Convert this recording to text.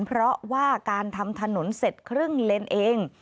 เพราะว่าการทำถนนเสร็จครึ่งเลนเอง